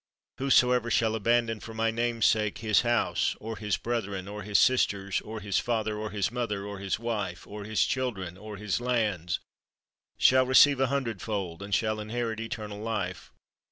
Whosoever shall abandon for my name's sake his house, or his brethren, or his sisters, or his father, or his mother, or his wife, or his children, or his lands, shall receive a hundredfold, and shall inherit eternal life.'"